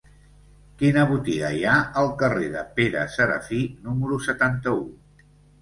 Quina botiga hi ha al carrer de Pere Serafí número setanta-u?